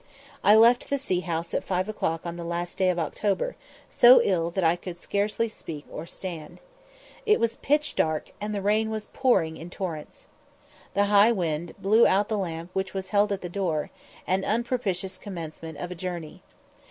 I left the See House at five o'clock on the last day of October, so ill that I could scarcely speak or stand. It was pitch dark, and the rain was pouring in torrents. The high wind blew out the lamp which was held at the door; an unpropitious commencement of a journey.